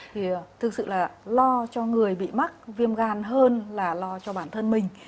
thì thực sự là lo cho người bị mắc viêm gan hơn là lo cho bản thân mình